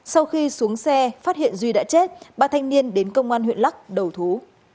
sau khi xuống xe phát hiện duy đã chết ba thanh niên đến công an huyện lắc đầu thú